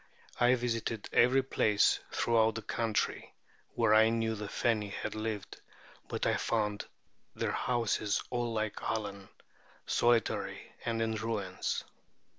I visited every place throughout the country where I knew the Feni had lived; but I found their houses all like Allen, solitary and in ruins.